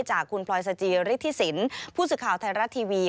จากคุณพลอยสจิฤทธิสินผู้สื่อข่าวไทยรัฐทีวี